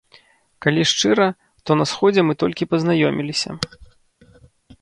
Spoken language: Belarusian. Калі шчыра, то на сходзе мы толькі пазнаёміліся.